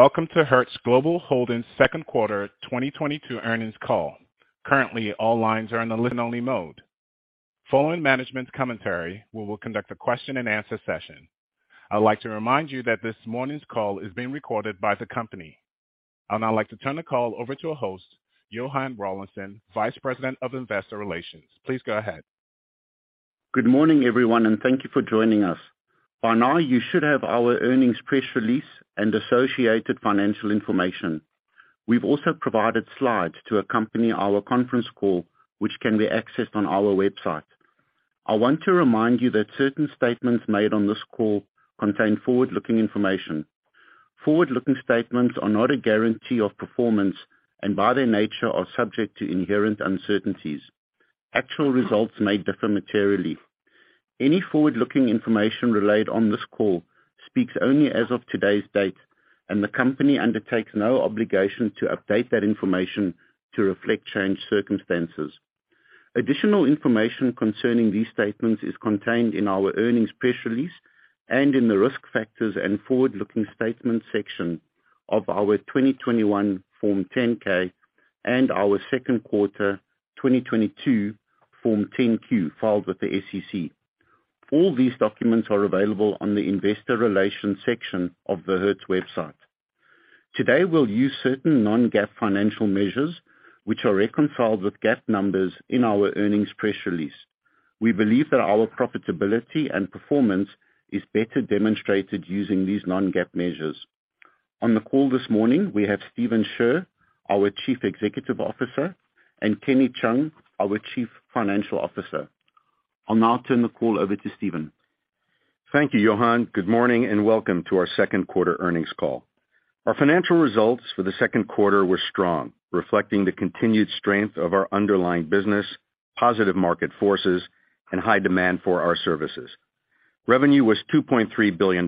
Welcome to Hertz Global Holdings Second Quarter 2022 Earnings Call. Currently, all lines are in a listen only mode. Following management's commentary, we will conduct a question and answer session. I'd like to remind you that this morning's call is being recorded by the company. I'd now like to turn the call over to our host, Johann Rawlinson, Vice President of Investor Relations. Please go ahead. Good morning, everyone, and thank you for joining us. By now, you should have our earnings press release and associated financial information. We've also provided slides to accompany our conference call, which can be accessed on our website. I want to remind you that certain statements made on this call contain forward-looking information. Forward-looking statements are not a guarantee of performance and by their nature are subject to inherent uncertainties. Actual results may differ materially. Any forward-looking information relayed on this call speaks only as of today's date, and the company undertakes no obligation to update that information to reflect changed circumstances. Additional information concerning these statements is contained in our earnings press release and in the Risk Factors and Forward-Looking Statements section of our 2021 Form 10-K and our second quarter 2022 Form 10-Q filed with the SEC. All these documents are available on the Investor Relations section of the Hertz website. Today, we'll use certain non-GAAP financial measures which are reconciled with GAAP numbers in our earnings press release. We believe that our profitability and performance is better demonstrated using these non-GAAP measures. On the call this morning, we have Stephen Scherr, our Chief Executive Officer, and Kenny Cheung, our Chief Financial Officer. I'll now turn the call over to Stephen. Thank you, Johann. Good morning and welcome to our second quarter earnings call. Our financial results for the second quarter were strong, reflecting the continued strength of our underlying business, positive market forces, and high demand for our services. Revenue was $2.3 billion,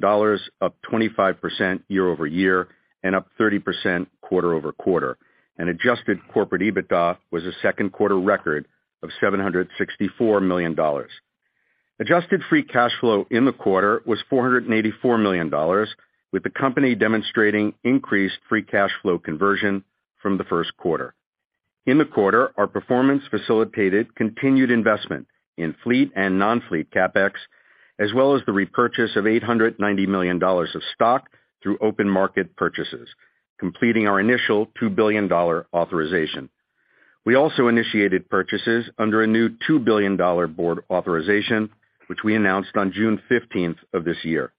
up 25% year-over-year and up 30% quarter-over-quarter, and adjusted corporate EBITDA was a second quarter record of $764 million. Adjusted free cash flow in the quarter was $484 million, with the company demonstrating increased free cash flow conversion from the first quarter. In the quarter, our performance facilitated continued investment in fleet and non-fleet CapEx, as well as the repurchase of $890 million of stock through open market purchases, completing our initial $2 billion authorization. We also initiated purchases under a new $2 billion board authorization, which we announced on June 15th of this year.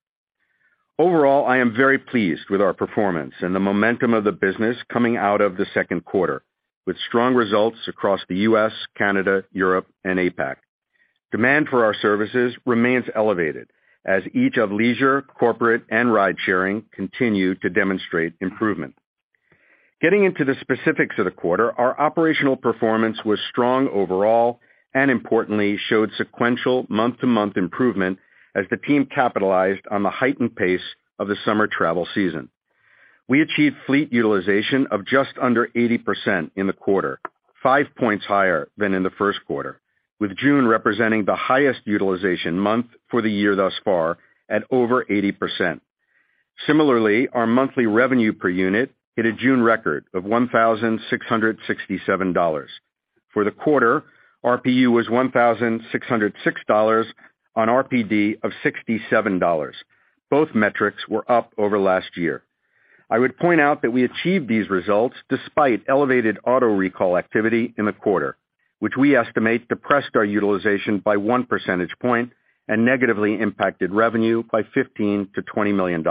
Overall, I am very pleased with our performance and the momentum of the business coming out of the second quarter with strong results across the U.S., Canada, Europe, and APAC. Demand for our services remains elevated as each of leisure, corporate, and ridesharing continue to demonstrate improvement. Getting into the specifics of the quarter, our operational performance was strong overall and importantly showed sequential month-to-month improvement as the team capitalized on the heightened pace of the summer travel season. We achieved fleet utilization of just under 80% in the quarter, 5 points higher than in the first quarter, with June representing the highest utilization month for the year thus far at over 80%. Similarly, our monthly revenue per unit hit a June record of $1,667. For the quarter, RPU was $1,606 on RPD of $67. Both metrics were up over last year. I would point out that we achieved these results despite elevated auto recall activity in the quarter, which we estimate depressed our utilization by one percentage point and negatively impacted revenue by $15 million-$20 million.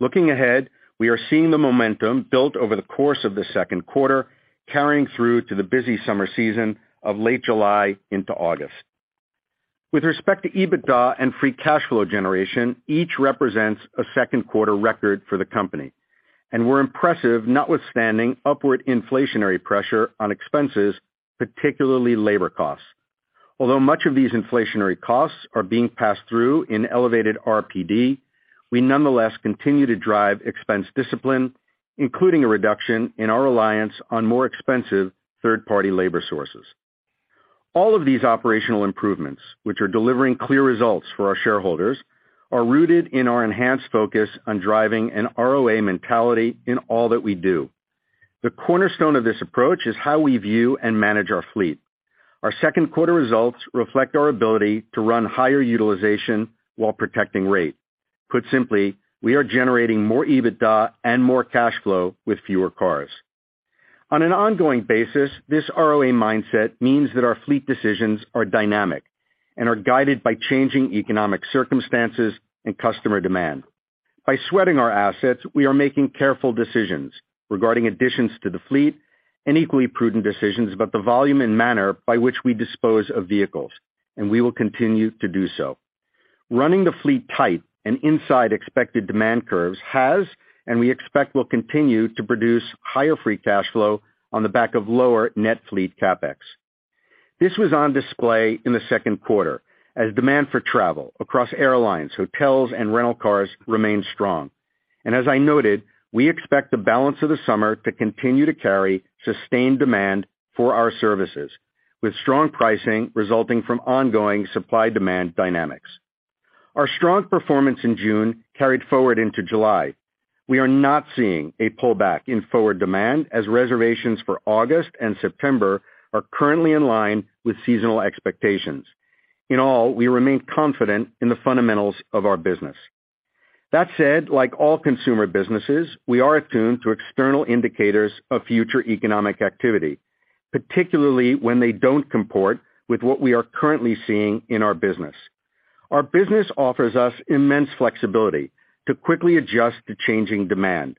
Looking ahead, we are seeing the momentum built over the course of the second quarter, carrying through to the busy summer season of late July into August. With respect to EBITDA and free cash flow generation, each represents a second quarter record for the company and were impressive notwithstanding upward inflationary pressure on expenses, particularly labor costs. Although much of these inflationary costs are being passed through in elevated RPD, we nonetheless continue to drive expense discipline, including a reduction in our reliance on more expensive third-party labor sources. All of these operational improvements, which are delivering clear results for our shareholders, are rooted in our enhanced focus on driving an ROA mentality in all that we do. The cornerstone of this approach is how we view and manage our fleet. Our second quarter results reflect our ability to run higher utilization while protecting rate. Put simply, we are generating more EBITDA and more cash flow with fewer cars. On an ongoing basis, this ROA mindset means that our fleet decisions are dynamic and are guided by changing economic circumstances and customer demand. By sweating our assets, we are making careful decisions regarding additions to the fleet and equally prudent decisions about the volume and manner by which we dispose of vehicles, and we will continue to do so. Running the fleet tight and inside expected demand curves has, and we expect will continue to produce higher free cash flow on the back of lower net fleet CapEx. This was on display in the second quarter as demand for travel across airlines, hotels, and rental cars remained strong. As I noted, we expect the balance of the summer to continue to carry sustained demand for our services with strong pricing resulting from ongoing supply-demand dynamics. Our strong performance in June carried forward into July. We are not seeing a pullback in forward demand as reservations for August and September are currently in line with seasonal expectations. In all, we remain confident in the fundamentals of our business. That said, like all consumer businesses, we are attuned to external indicators of future economic activity, particularly when they don't comport with what we are currently seeing in our business. Our business offers us immense flexibility to quickly adjust to changing demand.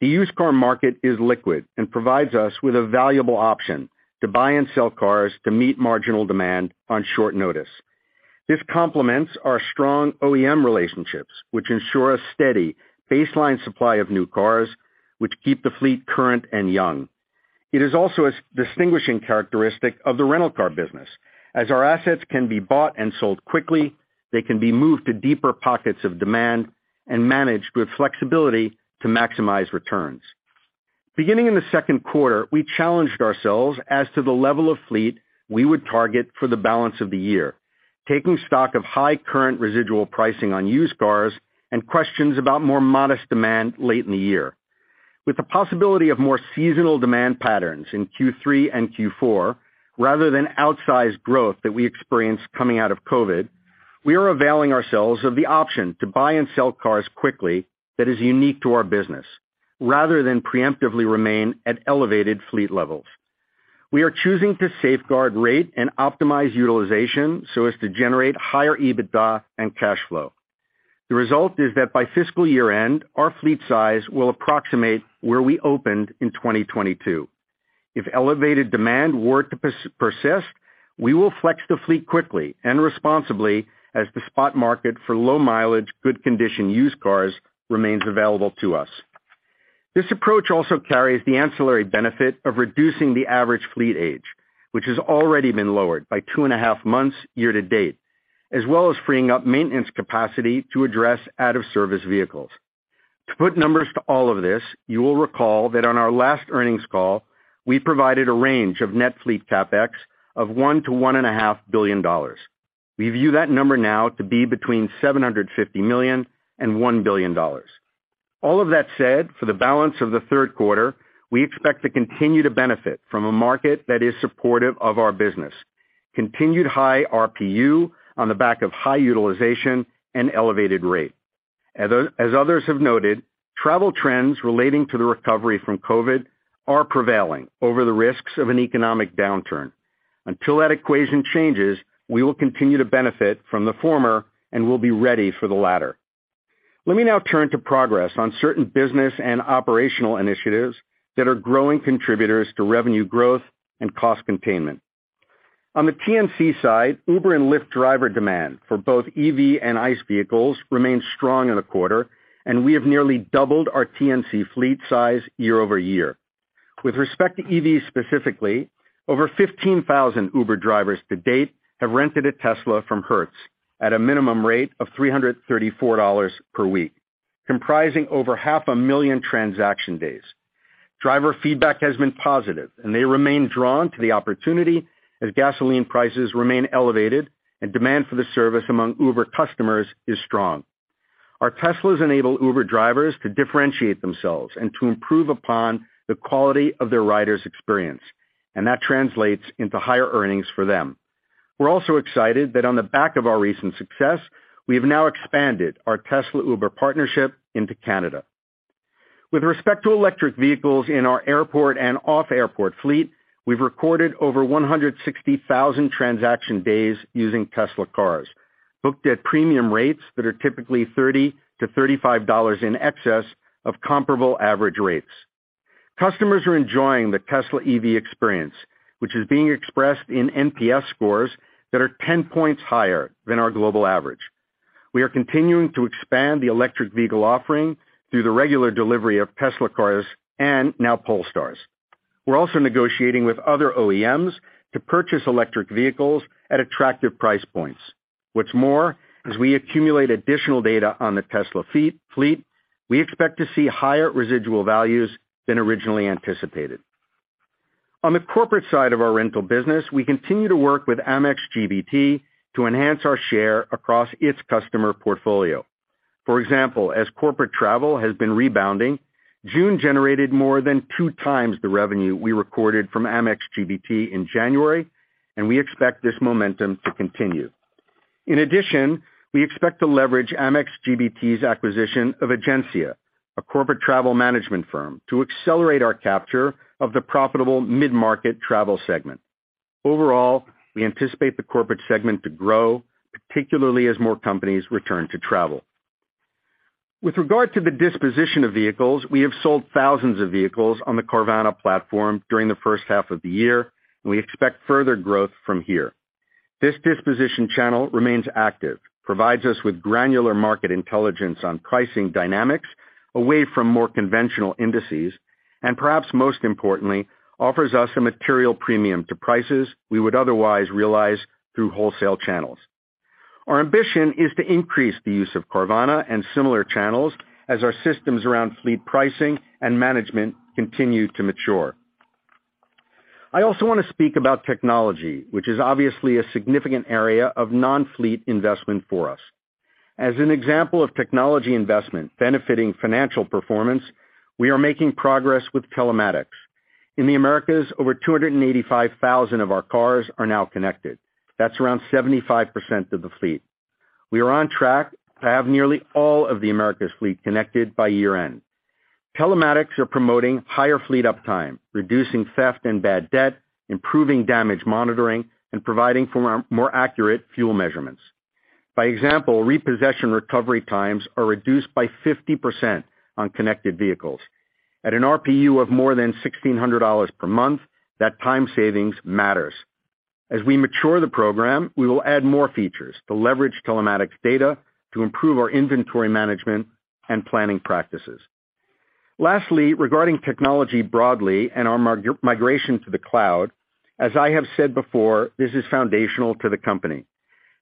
The used car market is liquid and provides us with a valuable option to buy and sell cars to meet marginal demand on short notice. This complements our strong OEM relationships, which ensure a steady baseline supply of new cars, which keep the fleet current and young. It is also a distinguishing characteristic of the rental car business, as our assets can be bought and sold quickly, they can be moved to deeper pockets of demand and managed with flexibility to maximize returns. Beginning in the second quarter, we challenged ourselves as to the level of fleet we would target for the balance of the year, taking stock of high current residual pricing on used cars and questions about more modest demand late in the year. With the possibility of more seasonal demand patterns in Q3 and Q4, rather than outsized growth that we experienced coming out of COVID, we are availing ourselves of the option to buy and sell cars quickly that is unique to our business, rather than preemptively remain at elevated fleet levels. We are choosing to safeguard rate and optimize utilization so as to generate higher EBITDA and cash flow. The result is that by fiscal year-end, our fleet size will approximate where we opened in 2022. If elevated demand were to persist, we will flex the fleet quickly and responsibly as the spot market for low-mileage, good-condition used cars remains available to us. This approach also carries the ancillary benefit of reducing the average fleet age, which has already been lowered by two and a half months year to date, as well as freeing up maintenance capacity to address out-of-service vehicles. To put numbers to all of this, you will recall that on our last earnings call, we provided a range of net fleet CapEx of $1 billion-$1.5 billion. We view that number now to be between $750 million and $1 billion. All of that said, for the balance of the third quarter, we expect to continue to benefit from a market that is supportive of our business, continued high RPU on the back of high utilization and elevated rate. As others have noted, travel trends relating to the recovery from COVID are prevailing over the risks of an economic downturn. Until that equation changes, we will continue to benefit from the former and will be ready for the latter. Let me now turn to progress on certain business and operational initiatives that are growing contributors to revenue growth and cost containment. On the TNC side, Uber and Lyft driver demand for both EV and ICE vehicles remained strong in the quarter, and we have nearly doubled our TNC fleet size year over year. With respect to EVs specifically, over 15,000 Uber drivers to date have rented a Tesla from Hertz at a minimum rate of $334 per week, comprising over 500,000 transaction days. Driver feedback has been positive, and they remain drawn to the opportunity as gasoline prices remain elevated and demand for the service among Uber customers is strong. Our Teslas enable Uber drivers to differentiate themselves and to improve upon the quality of their riders' experience, and that translates into higher earnings for them. We're also excited that on the back of our recent success, we have now expanded our Tesla-Uber partnership into Canada. With respect to electric vehicles in our airport and off-airport fleet, we've recorded over 160,000 transaction days using Tesla cars, booked at premium rates that are typically $30-$35 in excess of comparable average rates. Customers are enjoying the Tesla EV experience, which is being expressed in NPS scores that are 10 points higher than our global average. We are continuing to expand the electric vehicle offering through the regular delivery of Tesla cars and now Polestars. We're also negotiating with other OEMs to purchase electric vehicles at attractive price points. What's more, as we accumulate additional data on the Tesla fleet, we expect to see higher residual values than originally anticipated. On the corporate side of our rental business, we continue to work with Amex GBT to enhance our share across its customer portfolio. For example, as corporate travel has been rebounding, June generated more than 2x the revenue we recorded from Amex GBT in January, and we expect this momentum to continue. In addition, we expect to leverage Amex GBT's acquisition of Egencia, a corporate travel management firm, to accelerate our capture of the profitable mid-market travel segment. Overall, we anticipate the corporate segment to grow, particularly as more companies return to travel. With regard to the disposition of vehicles, we have sold thousands of vehicles on the Carvana platform during the first half of the year, and we expect further growth from here. This disposition channel remains active, provides us with granular market intelligence on pricing dynamics away from more conventional indices, and perhaps most importantly, offers us a material premium to prices we would otherwise realize through wholesale channels. Our ambition is to increase the use of Carvana and similar channels as our systems around fleet pricing and management continue to mature. I also wanna speak about technology, which is obviously a significant area of non-fleet investment for us. As an example of technology investment benefiting financial performance, we are making progress with telematics. In the Americas, over 285,000 of our cars are now connected. That's around 75% of the fleet. We are on track to have nearly all of the Americas fleet connected by year-end. Telematics are promoting higher fleet uptime, reducing theft and bad debt, improving damage monitoring, and providing for more accurate fuel measurements. For example, repossession recovery times are reduced by 50% on connected vehicles. At an RPU of more than $1,600 per month, that time savings matters. As we mature the program, we will add more features to leverage telematics data to improve our inventory management and planning practices. Lastly, regarding technology broadly and our migration to the cloud, as I have said before, this is foundational to the company.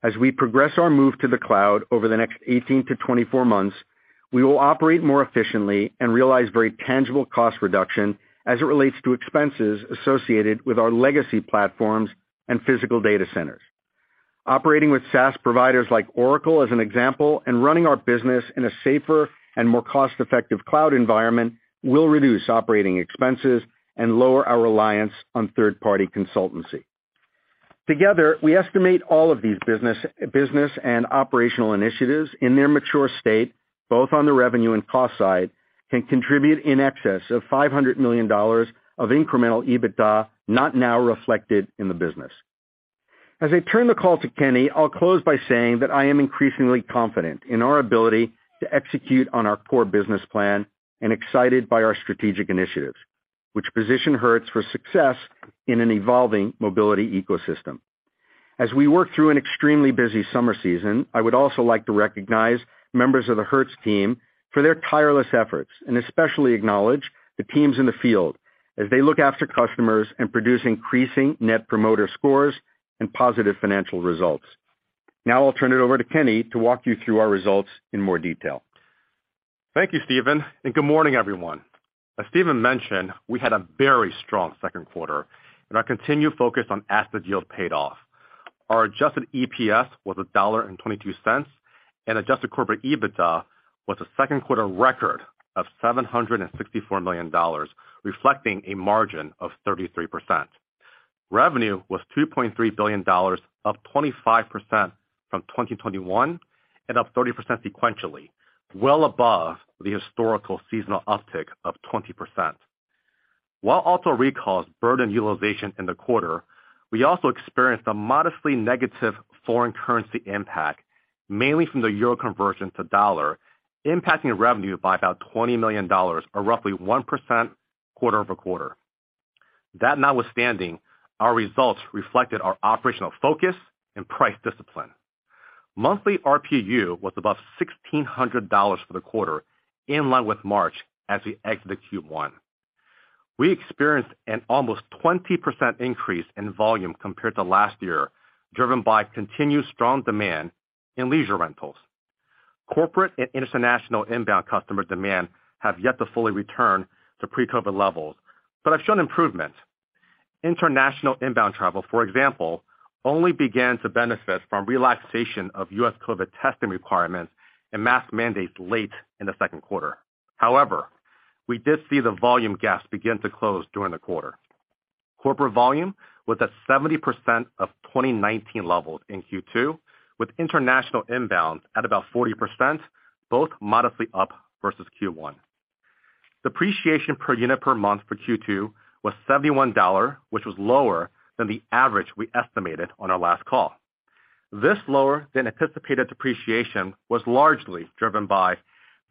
As we progress our move to the cloud over the next 18-24 months, we will operate more efficiently and realize very tangible cost reduction as it relates to expenses associated with our legacy platforms and physical data centers. Operating with SaaS providers like Oracle, as an example, and running our business in a safer and more cost-effective cloud environment will reduce operating expenses and lower our reliance on third-party consultancy. Together, we estimate all of these business and operational initiatives in their mature state, both on the revenue and cost side, can contribute in excess of $500 million of incremental EBITDA not now reflected in the business. As I turn the call to Kenny, I'll close by saying that I am increasingly confident in our ability to execute on our core business plan and excited by our strategic initiatives, which position Hertz for success in an evolving mobility ecosystem. As we work through an extremely busy summer season, I would also like to recognize members of the Hertz team for their tireless efforts, and especially acknowledge the teams in the field as they look after customers and produce increasing Net Promoter Scores and positive financial results. Now I'll turn it over to Kenny to walk you through our results in more detail. Thank you, Stephen, and good morning, everyone. As Stephen mentioned, we had a very strong second quarter, and our continued focus on asset yield paid off. Our adjusted EPS was $1.22, and adjusted corporate EBITDA was a second quarter record of $764 million, reflecting a margin of 33%. Revenue was $2.3 billion, up 25% from 2021, and up 30% sequentially, well above the historical seasonal uptick of 20%. While auto recalls burdened utilization in the quarter, we also experienced a modestly negative foreign currency impact, mainly from the euro conversion to dollar, impacting revenue by about $20 million, or roughly 1% quarter over quarter. That notwithstanding, our results reflected our operational focus and price discipline. Monthly RPU was above $1,600 for the quarter, in line with March as we exit the Q1. We experienced an almost 20% increase in volume compared to last year, driven by continued strong demand in leisure rentals. Corporate and international inbound customer demand have yet to fully return to pre-COVID levels, but have shown improvement. International inbound travel, for example, only began to benefit from relaxation of U.S. COVID testing requirements and mask mandates late in the second quarter. However, we did see the volume gaps begin to close during the quarter. Corporate volume was at 70% of 2019 levels in Q2, with international inbounds at about 40%, both modestly up versus Q1. Depreciation per unit per month for Q2 was $71, which was lower than the average we estimated on our last call. This lower than anticipated depreciation was largely driven by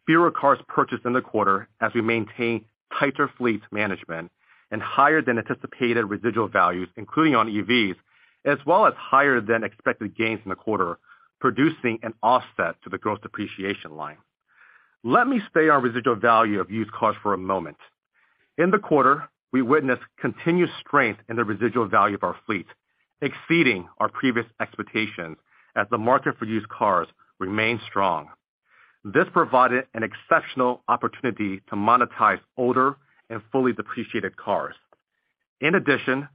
fewer cars purchased in the quarter as we maintain tighter fleet management and higher than anticipated residual values, including on EVs, as well as higher than expected gains in the quarter, producing an offset to the gross depreciation line. Let me stay on residual value of used cars for a moment. In the quarter, we witnessed continued strength in the residual value of our fleet, exceeding our previous expectations as the market for used cars remained strong. This provided an exceptional opportunity to monetize older and fully depreciated cars. In addition,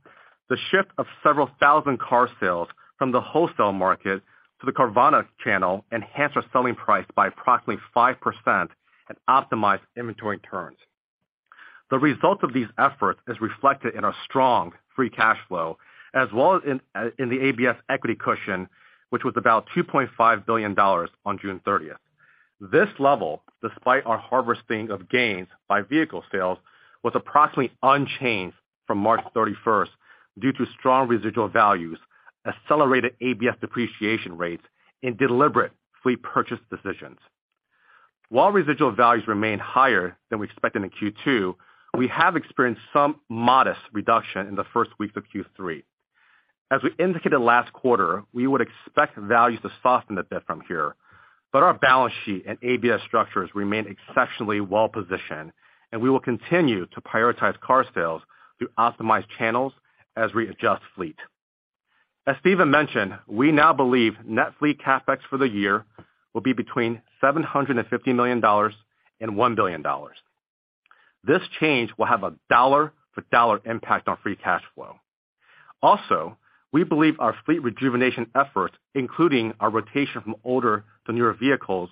the shift of several thousand car sales from the wholesale market to the Carvana channel enhanced our selling price by approximately 5% and optimized inventory turns. The result of these efforts is reflected in our strong free cash flow as well as in the ABS equity cushion, which was about $2.5 billion on June 30th. This level, despite our harvesting of gains by vehicle sales, was approximately unchanged from March 31st due to strong residual values, accelerated ABS depreciation rates and deliberate fleet purchase decisions. While residual values remain higher than we expected in Q2, we have experienced some modest reduction in the first week of Q3. As we indicated last quarter, we would expect values to soften a bit from here, but our balance sheet and ABS structures remain exceptionally well positioned, and we will continue to prioritize car sales through optimized channels as we adjust fleet. As Stephen mentioned, we now believe net fleet CapEx for the year will be between $750 million and $1 billion. This change will have a dollar for dollar impact on free cash flow. Also, we believe our fleet rejuvenation efforts, including our rotation from older to newer vehicles,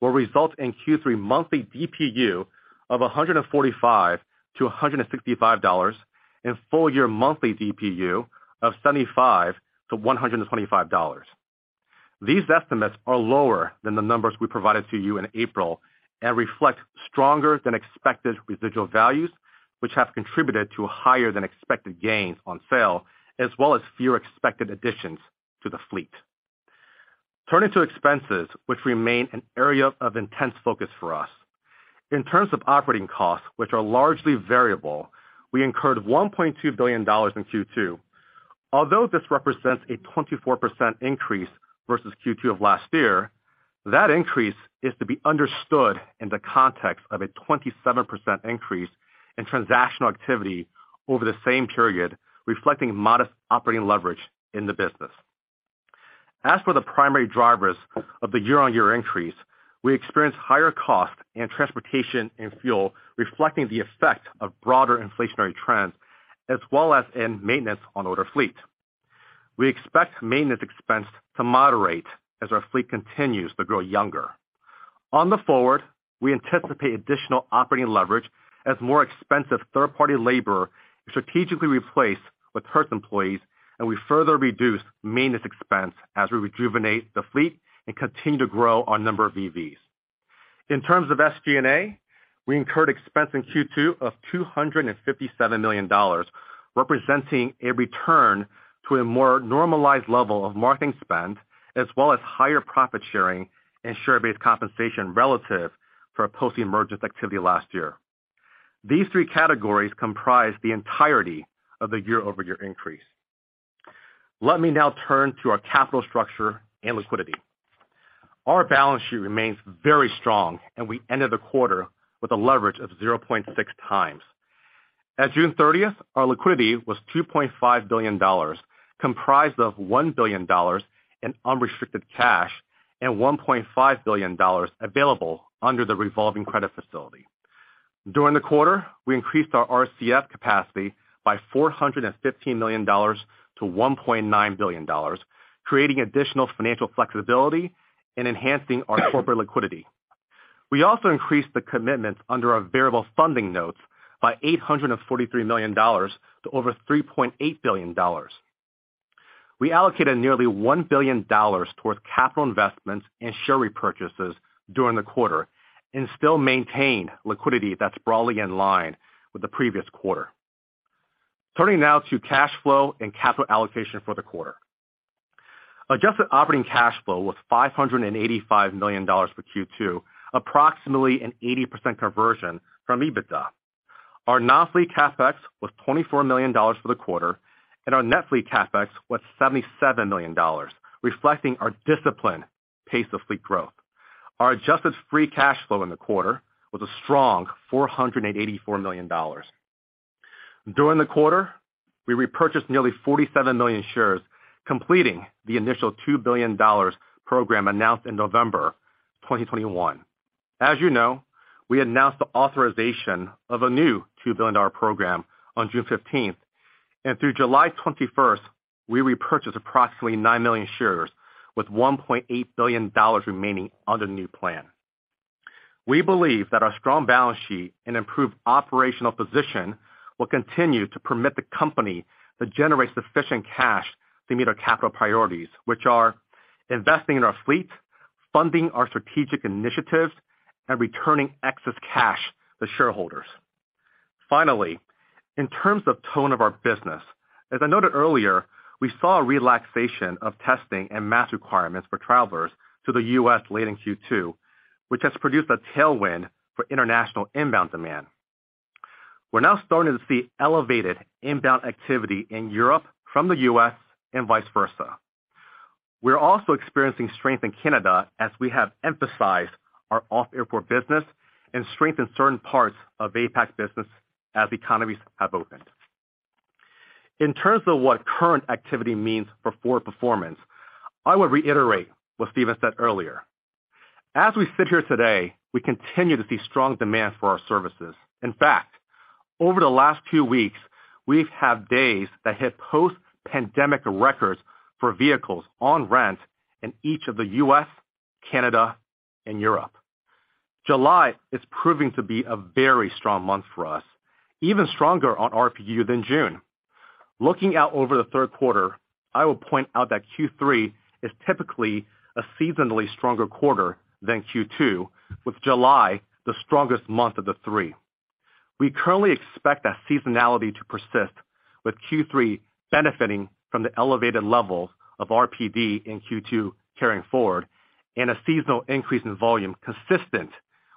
will result in Q3 monthly DPU of $145-$165 and full year monthly DPU of $75-$125. These estimates are lower than the numbers we provided to you in April and reflect stronger than expected residual values, which have contributed to higher than expected gains on sale, as well as fewer expected additions to the fleet. Turning to expenses, which remain an area of intense focus for us. In terms of operating costs, which are largely variable, we incurred $1.2 billion in Q2. Although this represents a 24% increase versus Q2 of last year, that increase is to be understood in the context of a 27% increase in transactional activity over the same period, reflecting modest operating leverage in the business. As for the primary drivers of the year-over-year increase, we experienced higher costs in transportation and fuel, reflecting the effect of broader inflationary trends as well as in maintenance on older fleet. We expect maintenance expense to moderate as our fleet continues to grow younger. Going forward, we anticipate additional operating leverage as more expensive third party labor is strategically replaced with Hertz employees, and we further reduce maintenance expense as we rejuvenate the fleet and continue to grow our number of EVs. In terms of SG&A, we incurred expense in Q2 of $257 million, representing a return to a more normalized level of marketing spend as well as higher profit sharing and share-based compensation relative to a post-emergence activity last year. These three categories comprise the entirety of the year-over-year increase. Let me now turn to our capital structure and liquidity. Our balance sheet remains very strong, and we ended the quarter with a leverage of 0.6x. As of June 30th, our liquidity was $2.5 billion, comprised of $1 billion in unrestricted cash and $1.5 billion available under the revolving credit facility. During the quarter, we increased our RCF capacity by $415 million to $1.9 billion, creating additional financial flexibility and enhancing our corporate liquidity. We also increased the commitments under our variable funding notes by $843 million to over $3.8 billion. We allocated nearly $1 billion towards capital investments and share repurchases during the quarter and still maintain liquidity that's broadly in line with the previous quarter. Turning now to cash flow and capital allocation for the quarter. Adjusted operating cash flow was $585 million for Q2, approximately an 80% conversion from EBITDA. Our non-fleet CapEx was $24 million for the quarter, and our net fleet CapEx was $77 million, reflecting our disciplined pace of fleet growth. Our adjusted free cash flow in the quarter was a strong $484 million. During the quarter, we repurchased nearly 47 million shares, completing the initial $2 billion program announced in November 2021. As you know, we announced the authorization of a new $2 billion program on June fifteenth, and through July twenty-first, we repurchased approximately 9 million shares with $1.8 billion remaining under the new plan. We believe that our strong balance sheet and improved operational position will continue to permit the company to generate sufficient cash to meet our capital priorities, which are investing in our fleet, funding our strategic initiatives, and returning excess cash to shareholders. Finally, in terms of tone of our business, as I noted earlier, we saw a relaxation of testing and mask requirements for travelers to the U.S. late in Q2, which has produced a tailwind for international inbound demand. We're now starting to see elevated inbound activity in Europe from the U.S. and vice versa. We're also experiencing strength in Canada as we have emphasized our off-airport business and strength in certain parts of APAC business as economies have opened. In terms of what current activity means for forward performance, I would reiterate what Stephen said earlier. As we sit here today, we continue to see strong demand for our services. In fact, over the last few weeks, we've had days that hit post-pandemic records for vehicles on rent in each of the U.S., Canada, and Europe. July is proving to be a very strong month for us, even stronger on RPU than June. Looking out over the third quarter, I will point out that Q3 is typically a seasonally stronger quarter than Q2, with July the strongest month of the three. We currently expect that seasonality to persist, with Q3 benefiting from the elevated levels of RPD in Q2 carrying forward and a seasonal increase in volume consistent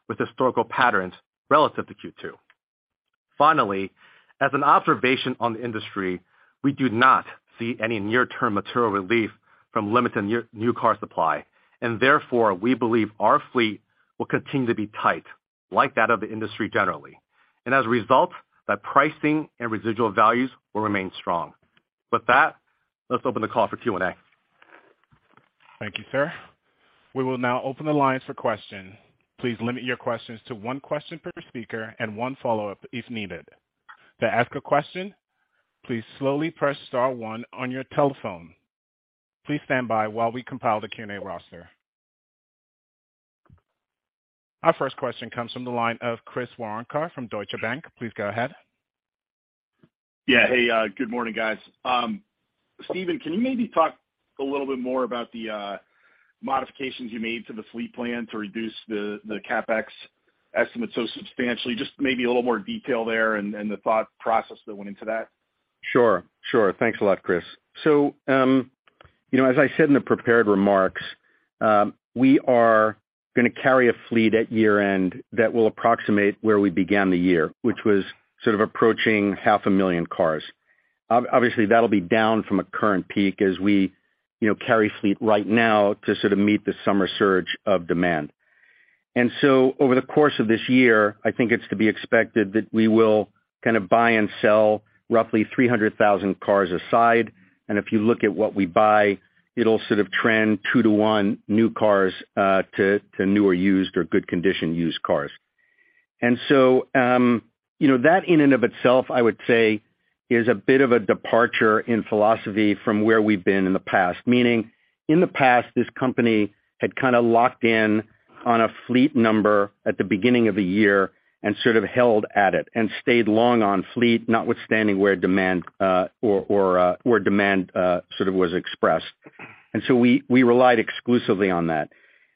with historical patterns relative to Q2. Finally, as an observation on the industry, we do not see any near-term material relief from limited new car supply, and therefore, we believe our fleet will continue to be tight like that of the industry generally. As a result, that pricing and residual values will remain strong. With that, let's open the call for Q&A. Thank you, sir. We will now open the lines for questions. Please limit your questions to one question per speaker and one follow-up if needed. To ask a question, please slowly press star one on your telephone. Please stand by while we compile the Q&A roster. Our first question comes from the line of Chris Woronka from Deutsche Bank. Please go ahead. Hey, good morning, guys. Stephen, can you maybe talk a little bit more about the modifications you made to the fleet plan to reduce the CapEx estimate so substantially, just maybe a little more detail there and the thought process that went into that? Sure. Thanks a lot, Chris. You know, as I said in the prepared remarks, we are gonna carry a fleet at year-end that will approximate where we began the year, which was sort of approaching 500,000 cars. Obviously, that'll be down from a current peak as we, you know, carry fleet right now to sort of meet the summer surge of demand. Over the course of this year, I think it's to be expected that we will kind of buy and sell roughly 300,000 cars a side. If you look at what we buy, it'll sort of trend 2-to-1 new cars to new or used or good condition used cars. You know, that in and of itself, I would say, is a bit of a departure in philosophy from where we've been in the past. Meaning in the past, this company had kinda locked in on a fleet number at the beginning of a year and sort of held at it and stayed long on fleet, notwithstanding where demand sort of was expressed. We relied exclusively on that.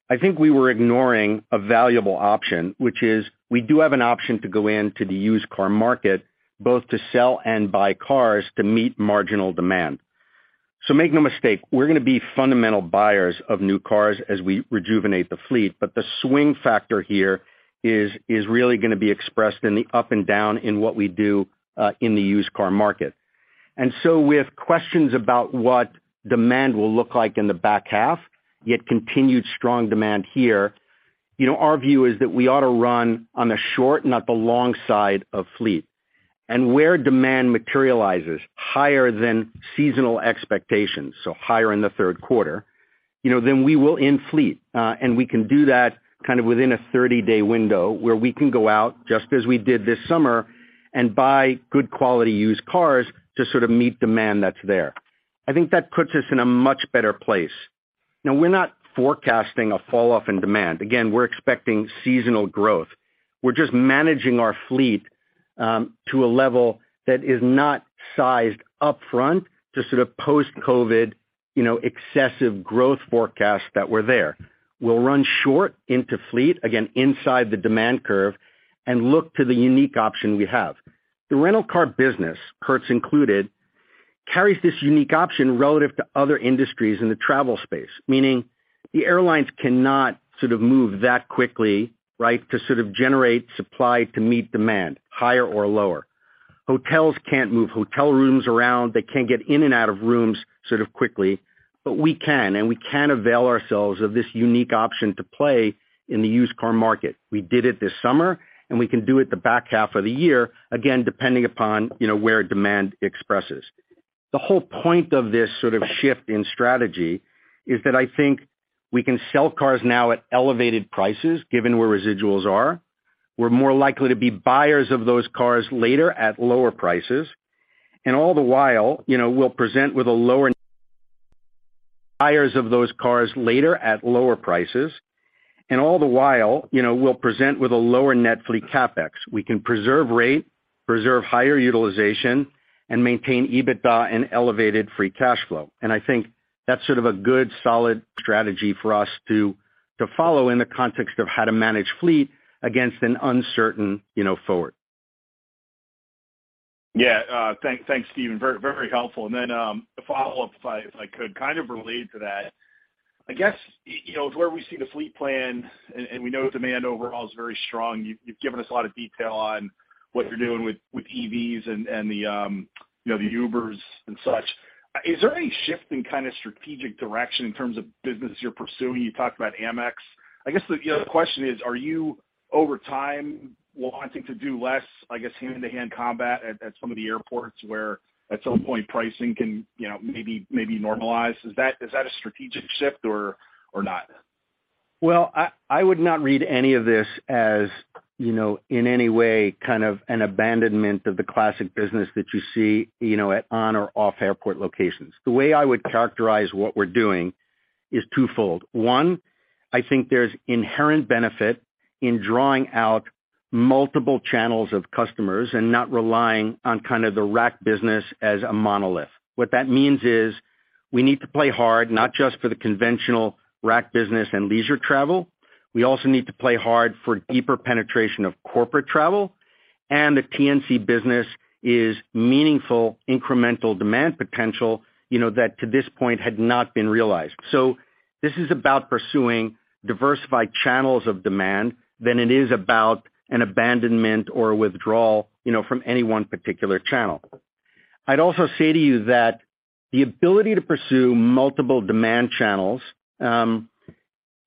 I think we were ignoring a valuable option, which is we do have an option to go into the used car market, both to sell and buy cars to meet marginal demand. Make no mistake, we're gonna be fundamental buyers of new cars as we rejuvenate the fleet, but the swing factor here is really gonna be expressed in the up and down in what we do in the used car market. With questions about what demand will look like in the back half, yet continued strong demand here, you know, our view is that we ought to run on the short, not the long side of fleet. Where demand materializes higher than seasonal expectations, so higher in the third quarter, you know, then we will end fleet. We can do that kind of within a 30-day window where we can go out, just as we did this summer and buy good quality used cars to sort of meet demand that's there. I think that puts us in a much better place. Now, we're not forecasting a fall off in demand. Again, we're expecting seasonal growth. We're just managing our fleet to a level that is not sized upfront to sort of post-COVID, you know, excessive growth forecasts that were there. We'll run short on fleet, again, inside the demand curve and look to the unique option we have. The rental car business, Hertz included, carries this unique option relative to other industries in the travel space. Meaning the airlines cannot sort of move that quickly, right, to sort of generate supply to meet demand, higher or lower. Hotels can't move hotel rooms around. They can't get in and out of rooms sort of quickly, but we can, and we can avail ourselves of this unique option to play in the used car market. We did it this summer, and we can do it the back half of the year, again, depending upon, you know, where demand expresses. The whole point of this sort of shift in strategy is that I think we can sell cars now at elevated prices, given where residuals are. We're more likely to be buyers of those cars later at lower prices. All the while, you know, we'll present with a lower net fleet CapEx. We can preserve rate, preserve higher utilization, and maintain EBITDA and elevated free cash flow. I think that's sort of a good solid strategy for us to follow in the context of how to manage fleet against an uncertain, you know, forward. Yeah. Thanks, Stephen. Very helpful. A follow-up, if I could, kind of related to that. I guess you know, with where we see the fleet plan and we know demand overall is very strong, you've given us a lot of detail on what you're doing with EVs and the Ubers and such. Is there any shift in kind of strategic direction in terms of business you're pursuing? You talked about Amex. I guess you know the question is: Are you, over time, wanting to do less, I guess, hand-to-hand combat at some of the airports where at some point pricing can you know maybe normalize? Is that a strategic shift or not? Well, I would not read any of this as, you know, in any way kind of an abandonment of the classic business that you see, you know, at on or off airport locations. The way I would characterize what we're doing is twofold. One, I think there's inherent benefit in drawing out multiple channels of customers and not relying on kind of the rack business as a monolith. What that means is we need to play hard, not just for the conventional rack business and leisure travel. We also need to play hard for deeper penetration of corporate travel, and the TNC business is meaningful incremental demand potential, you know, that to this point had not been realized. This is about pursuing diversified channels of demand than it is about an abandonment or a withdrawal, you know, from any one particular channel. I'd also say to you that the ability to pursue multiple demand channels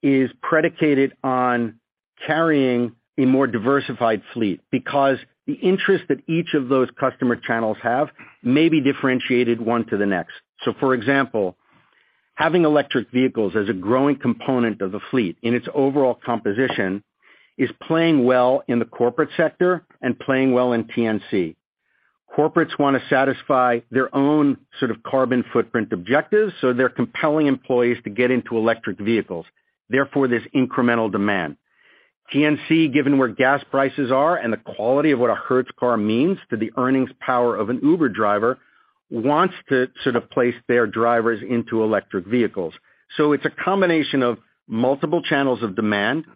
is predicated on carrying a more diversified fleet because the interest that each of those customer channels have may be differentiated one to the next. For example, having electric vehicles as a growing component of the fleet in its overall composition is playing well in the corporate sector and playing well in TNC. Corporates wanna satisfy their own sort of carbon footprint objectives, so they're compelling employees to get into electric vehicles, therefore, there's incremental demand. TNC, given where gas prices are and the quality of what a Hertz car means to the earnings power of an Uber driver, wants to sort of place their drivers into electric vehicles. It's a combination of multiple channels of demand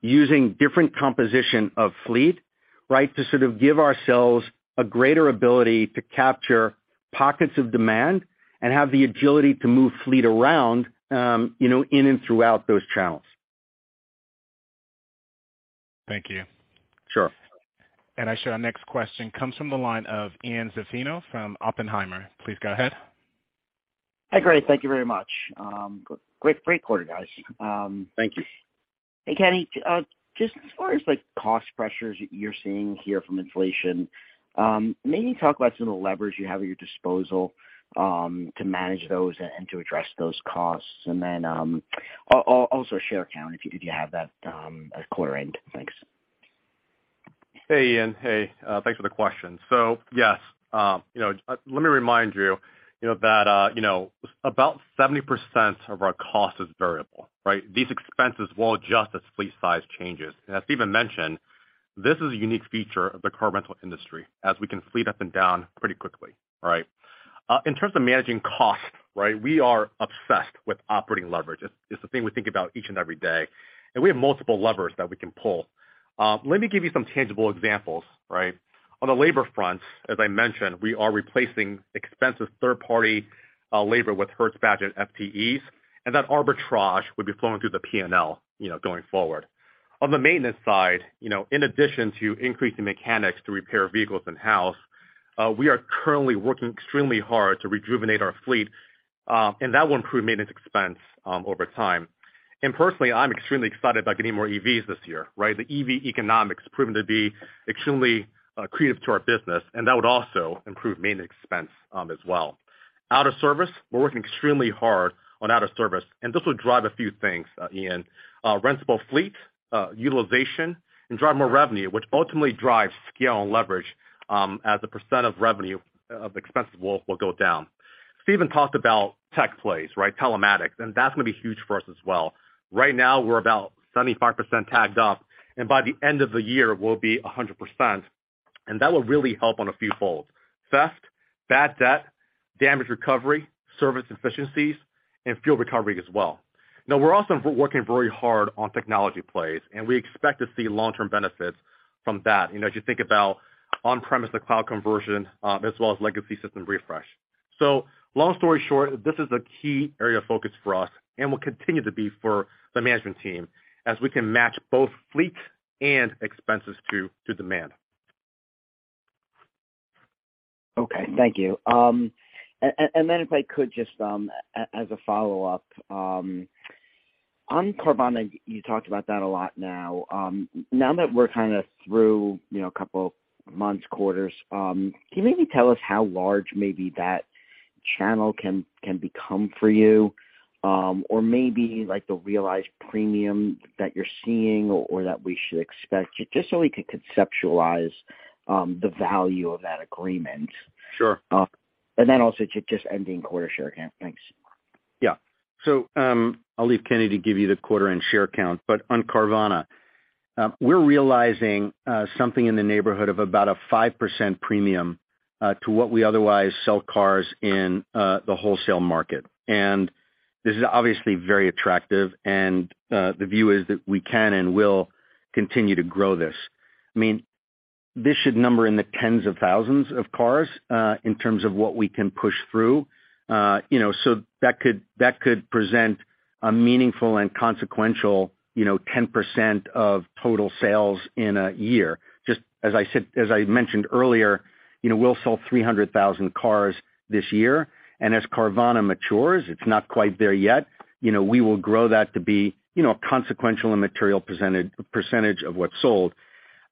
using different composition of fleet, right? To sort of give ourselves a greater ability to capture pockets of demand and have the agility to move fleet around, you know, in and throughout those channels. Thank you. Sure. Our next question comes from the line of Ian Zaffino from Oppenheimer. Please go ahead. Hi, great. Thank you very much. Great quarter, guys. Thank you. Hey, Kenny, just as far as like cost pressures you're seeing here from inflation, maybe talk about some of the levers you have at your disposal, to manage those and to address those costs. Also share count if you have that at quarter end. Thanks. Hey, Ian. Hey, thanks for the question. Yes, you know, let me remind you know, that, you know, about 70% of our cost is variable, right? These expenses will adjust as fleet size changes. As Stephen mentioned, this is a unique feature of the car rental industry, as we can fleet up and down pretty quickly, all right? In terms of managing cost, right, we are obsessed with operating leverage. It's the thing we think about each and every day. We have multiple levers that we can pull. Let me give you some tangible examples, right? On the labor front, as I mentioned, we are replacing expensive third-party labor with Hertz-badged FTEs, and that arbitrage would be flowing through the P&L, you know, going forward. On the maintenance side, you know, in addition to increasing mechanics to repair vehicles in-house, we are currently working extremely hard to rejuvenate our fleet, and that will improve maintenance expense over time. Personally, I'm extremely excited about getting more EVs this year, right? The EV economics has proven to be extremely accretive to our business, and that would also improve maintenance expense as well. Out of service, we're working extremely hard, and this will drive a few things, Ian. Rentable fleet utilization and drive more revenue, which ultimately drives scale and leverage, as a percent of revenue, expenses will go down. Stephen talked about tech plays, right? Telematics and that's gonna be huge for us as well. Right now, we're about 75% tagged up, and by the end of the year, we'll be 100%, and that will really help on a few folds. Theft, bad debt, damage recovery, service efficiencies, and fuel recovery as well. Now, we're also working very hard on technology plays, and we expect to see long-term benefits from that, you know, as you think about on-premise to cloud conversion, as well as legacy system refresh. Long story short, this is a key area of focus for us and will continue to be for the management team as we can match both fleet and expenses to demand. Okay. Thank you. If I could just as a follow-up on Carvana, you talked about that a lot now. Now that we're kind of through, you know, a couple months, quarters, can you maybe tell us how large maybe that channel can become for you? Or maybe like the realized premium that you're seeing or that we should expect, just so we can conceptualize the value of that agreement? Sure. Also just ending quarter share count. Thanks. Yeah. I'll leave Kenny to give you the quarter end share count, but on Carvana, we're realizing something in the neighborhood of about a 5% premium to what we otherwise sell cars in the wholesale market. This is obviously very attractive and the view is that we can and will continue to grow this. I mean, this should number in the tens of thousands of cars in terms of what we can push through. You know, that could present a meaningful and consequential 10% of total sales in a year. Just as I said... As I mentioned earlier, you know, we'll sell 300,000 cars this year, and as Carvana matures, it's not quite there yet, you know, we will grow that to be, you know, a consequential and material % of what's sold.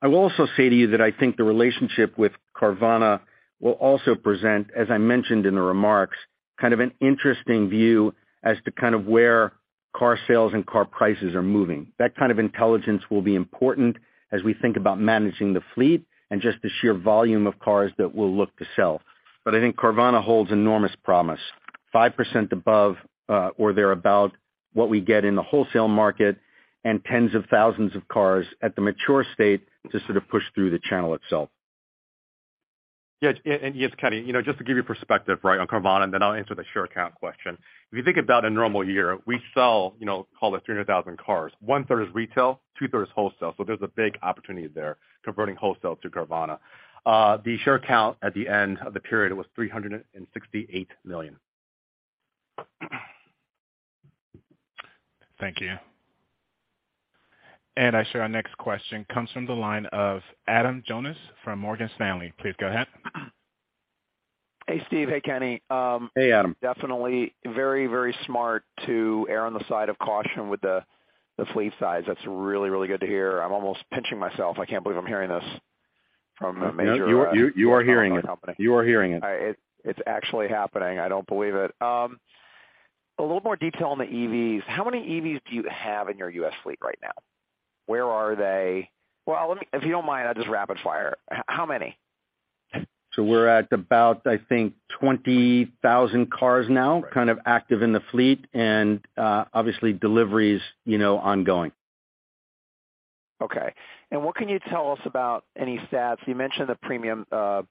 I will also say to you that I think the relationship with Carvana will also present, as I mentioned in the remarks, kind of an interesting view as to kind of where car sales and car prices are moving. That kind of intelligence will be important as we think about managing the fleet and just the sheer volume of cars that we'll look to sell. But I think Carvana holds enormous promise, 5% above, or they're about what we get in the wholesale market and tens of thousands of cars at the mature state to sort of push through the channel itself. Yeah. Yes, Kenny, you know, just to give you perspective, right, on Carvana, and then I'll answer the share count question. If you think about a normal year, we sell, you know, call it 300,000 cars. 1/3 is retail, 2/3 wholesale, so there's a big opportunity there converting wholesale to Carvana. The share count at the end of the period was 368 million. Thank you. Our next question comes from the line of Adam Jonas from Morgan Stanley. Please go ahead. Hey, Stephen. Hey, Kenny. Hey, Adam. Definitely very, very smart to err on the side of caution with the fleet size. That's really, really good to hear. I'm almost pinching myself. I can't believe I'm hearing this from a major. You are hearing it. It. It's actually happening. I don't believe it. A little more detail on the EVs. How many EVs do you have in your U.S. fleet right now? Where are they? Well, let me, if you don't mind, I'll just rapid fire. How many? We're at about, I think, 20,000 cars now. Right... kind of active in the fleet and, obviously deliveries, you know, ongoing. Okay. What can you tell us about any stats? You mentioned the premium, the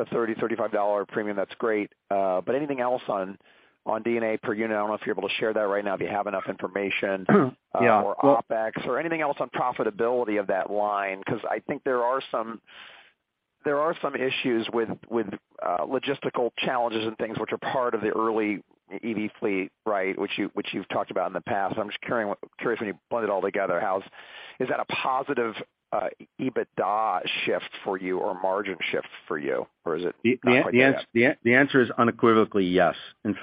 $35 premium. That's great. Anything else on D&A per unit? I don't know if you're able to share that right now, if you have enough information. Yeah OpEx or anything else on profitability of that line, 'cause I think there are some issues with logistical challenges and things which are part of the early EV fleet, right? Which you've talked about in the past. I'm just curious when you blend it all together, is that a positive EBITDA shift for you or margin shift for you? Or is it not quite yet? The answer is unequivocally yes. In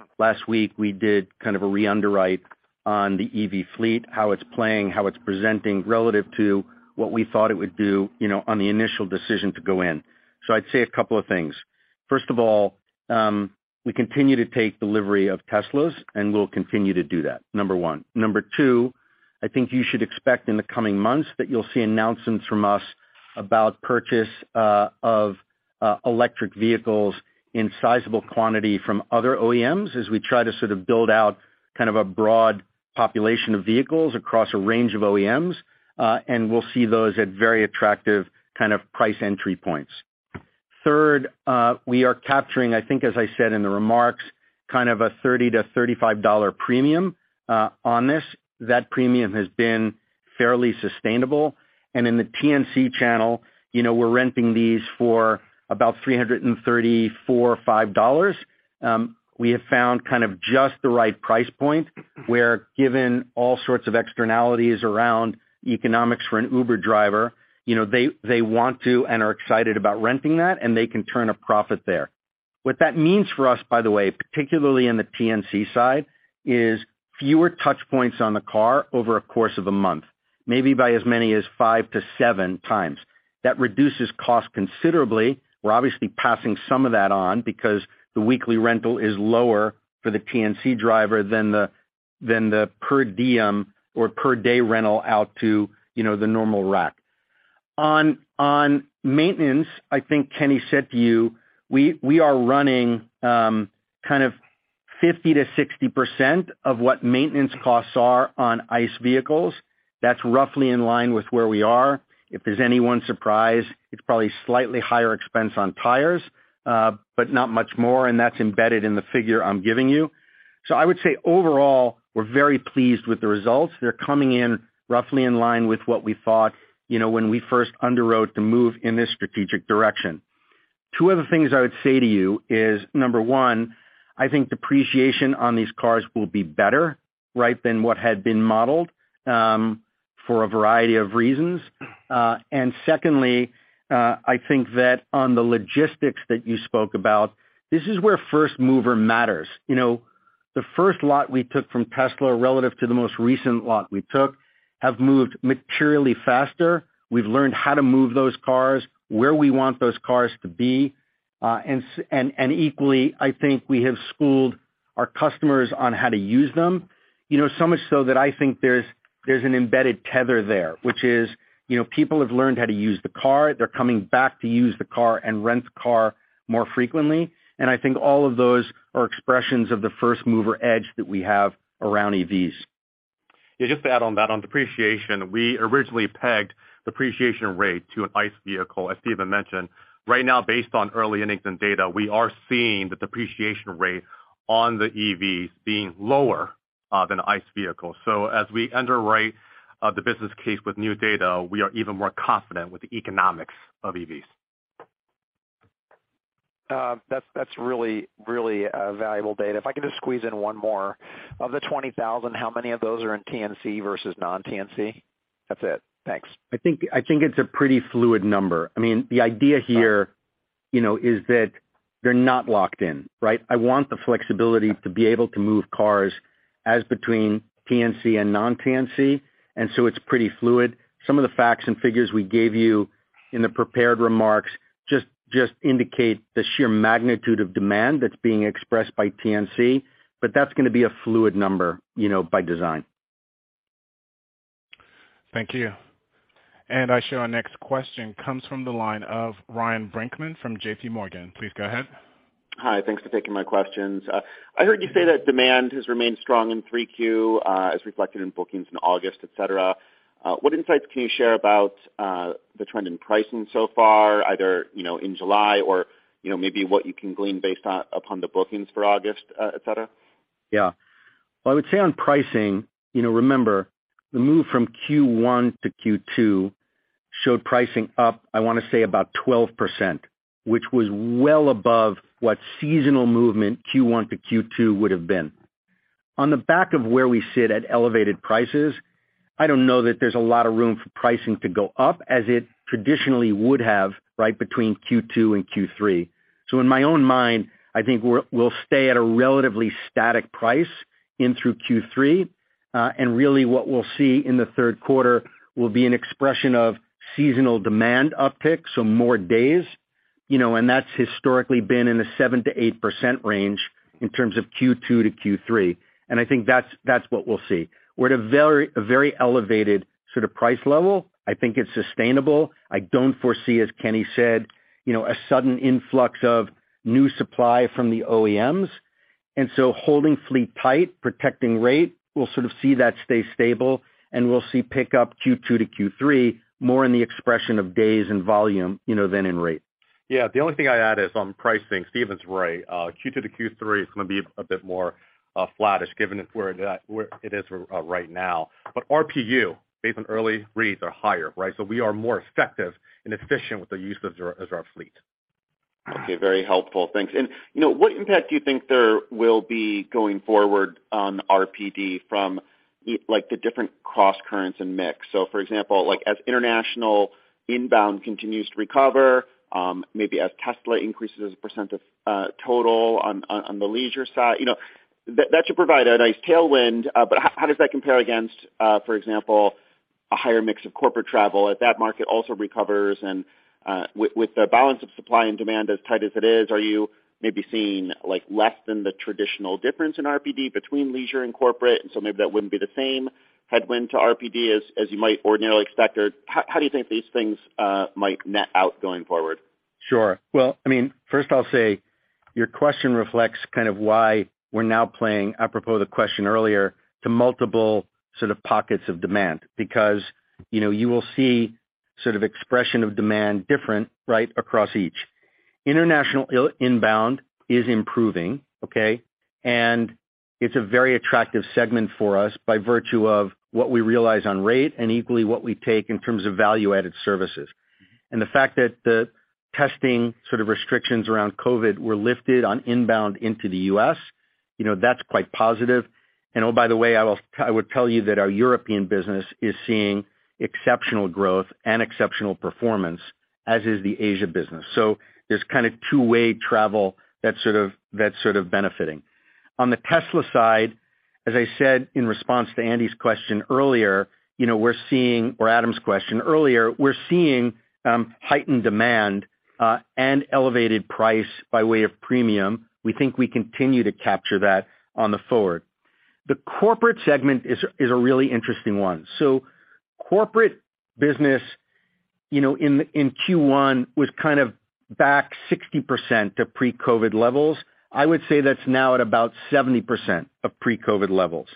fact, last week we did kind of a re-underwrite on the EV fleet, how it's playing, how it's presenting relative to what we thought it would do, you know, on the initial decision to go in. I'd say a couple of things. First of all, we continue to take delivery of Teslas, and we'll continue to do that, number one. Number two, I think you should expect in the coming months that you'll see announcements from us about purchase of electric vehicles in sizable quantity from other OEMs as we try to sort of build out kind of a broad population of vehicles across a range of OEMs, and we'll see those at very attractive kind of price entry points. Third, we are capturing, I think as I said in the remarks, kind of a $30-$35 premium on this. That premium has been fairly sustainable. In the TNC channel, you know, we're renting these for about $334-$335. We have found kind of just the right price point where given all sorts of externalities around economics for an Uber driver, you know, they want to and are excited about renting that, and they can turn a profit there. What that means for us, by the way, particularly in the TNC side, is fewer touch points on the car over a course of a month, maybe by as many as 5-7 times. That reduces cost considerably. We're obviously passing some of that on because the weekly rental is lower for the TNC driver than the per diem or per day rental out to, you know, the normal rack. On maintenance, I think Kenny said to you, we are running kind of 50%-60% of what maintenance costs are on ICE vehicles. That's roughly in line with where we are. If there's any one surprise, it's probably slightly higher expense on tires, but not much more, and that's embedded in the figure I'm giving you. I would say overall, we're very pleased with the results. They're coming in roughly in line with what we thought, you know, when we first underwrote the move in this strategic direction. Two other things I would say to you is, number one, I think depreciation on these cars will be better, right, than what had been modeled, for a variety of reasons. Secondly, I think that on the logistics that you spoke about, this is where first mover matters. You know, the first lot we took from Tesla relative to the most recent lot we took have moved materially faster. We've learned how to move those cars, where we want those cars to be, and equally, I think we have schooled our customers on how to use them, you know, so much so that I think there's an embedded tether there, which is, you know, people have learned how to use the car. They're coming back to use the car and rent the car more frequently. I think all of those are expressions of the first mover edge that we have around EVs. Yeah, just to add on that, on depreciation, we originally pegged depreciation rate to an ICE vehicle, as Stephen mentioned. Right now, based on early innings and data, we are seeing the depreciation rate on the EVs being lower than ICE vehicles. As we underwrite the business case with new data, we are even more confident with the economics of EVs. That's really valuable data. If I could just squeeze in one more. Of the 20,000, how many of those are in TNC versus non-TNC? That's it. Thanks. I think it's a pretty fluid number. I mean, the idea here, you know, is that they're not locked in, right? I want the flexibility to be able to move cars as between TNC and non-TNC, and so it's pretty fluid. Some of the facts and figures we gave you in the prepared remarks just indicate the sheer magnitude of demand that's being expressed by TNC, but that's gonna be a fluid number, you know, by design. Thank you. I show our next question comes from the line of Ryan Brinkman from JPMorgan. Please go ahead. Hi. Thanks for taking my questions. I heard you say that demand has remained strong in 3Q, as reflected in bookings in August, et cetera. What insights can you share about the trend in pricing so far, either, you know, in July or, you know, maybe what you can glean based on the bookings for August, et cetera? Yeah. Well, I would say on pricing, you know, remember, the move from Q1 to Q2 showed pricing up, I wanna say about 12%, which was well above what seasonal movement Q1 to Q2 would have been. On the back of where we sit at elevated prices, I don't know that there's a lot of room for pricing to go up as it traditionally would have right between Q2 and Q3. In my own mind, I think we'll stay at a relatively static price in through Q3. Really what we'll see in the third quarter will be an expression of seasonal demand uptick. More days, you know, and that's historically been in the 7%-8% range in terms of Q2 to Q3. I think that's what we'll see. We're at a very elevated sort of price level. I think it's sustainable. I don't foresee, as Kenny said, you know, a sudden influx of new supply from the OEMs. Holding fleet tight, protecting rate, we'll sort of see that stay stable, and we'll see pick up Q2 to Q3 more in the expression of days and volume, you know, than in rate. Yeah. The only thing I add is on pricing. Steven's right. Q2 to Q3 is gonna be a bit more flattish given where it is right now. RPU based on early reads are higher, right? We are more effective and efficient with the use of our fleet. Okay, very helpful. Thanks. You know, what impact do you think there will be going forward on RPD from like the different crosscurrents and mix? For example, like as international inbound continues to recover, maybe as Tesla increases as a percent of total on the leisure side, you know, that should provide a nice tailwind. But how does that compare against, for example, a higher mix of corporate travel if that market also recovers and, with the balance of supply and demand as tight as it is, are you maybe seeing like less than the traditional difference in RPD between leisure and corporate, and so maybe that wouldn't be the same headwind to RPD as you might ordinarily expect? Or how do you think these things might net out going forward? Sure. Well, I mean, first I'll say your question reflects kind of why we're now playing, apropos the question earlier, to multiple sort of pockets of demand. Because, you know, you will see sort of expression of demand different, right, across each. International inbound is improving, okay? And it's a very attractive segment for us by virtue of what we realize on rate and equally what we take in terms of value-added services. And the fact that the testing sort of restrictions around COVID were lifted on inbound into the U.S., you know, that's quite positive. And oh, by the way, I would tell you that our European business is seeing exceptional growth and exceptional performance, as is the Asia business. So there's kind of two-way travel that's sort of benefiting. On the Tesla side, as I said in response to Adam's question earlier, we're seeing heightened demand and elevated price by way of premium. We think we continue to capture that on the forward. The corporate segment is a really interesting one. Corporate business, you know, in Q1 was kind of back 60% of pre-COVID levels. I would say that's now at about 70% of pre-COVID levels.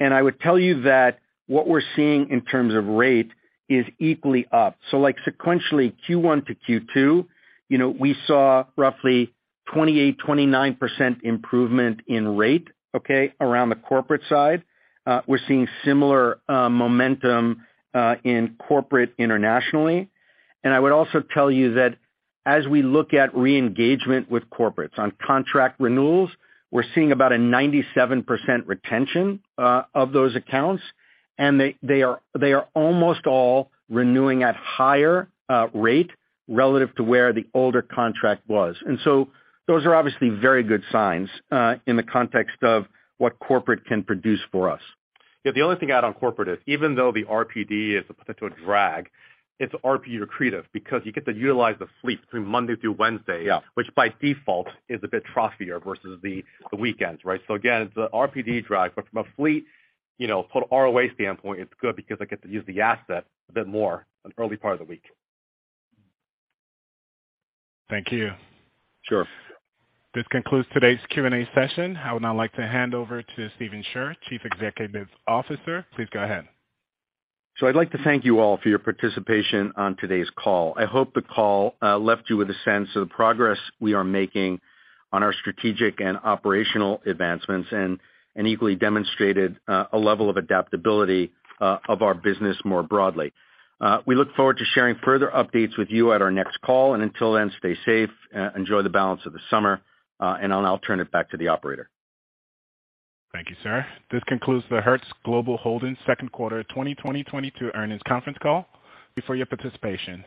I would tell you that what we're seeing in terms of rate is equally up. Like sequentially, Q1 to Q2, you know, we saw roughly 28-29% improvement in rate, okay, around the corporate side. We're seeing similar momentum in corporate internationally. I would also tell you that as we look at re-engagement with corporates on contract renewals, we're seeing about a 97% retention of those accounts. They are almost all renewing at higher rate relative to where the older contract was. Those are obviously very good signs in the context of what corporate can produce for us. Yeah, the only thing I'd add on corporate is even though the RPD is a potential drag, it's RP accretive because you get to utilize the fleet through Monday through Wednesday. Yeah. which by default is a bit troughier versus the weekends, right? So again, it's a RPD drag, but from a fleet, you know, from an ROA standpoint, it's good because I get to use the asset a bit more on early part of the week. Thank you. Sure. This concludes today's Q&A session. I would now like to hand over to Stephen Scherr, Chief Executive Officer. Please go ahead. I'd like to thank you all for your participation on today's call. I hope the call left you with a sense of the progress we are making on our strategic and operational advancements and equally demonstrated a level of adaptability of our business more broadly. We look forward to sharing further updates with you at our next call, and until then, stay safe, enjoy the balance of the summer, and I'll now turn it back to the operator. Thank you, sir. This concludes the Hertz Global Holdings Second Quarter 2022 Earnings Conference Call. Thank you for your participation.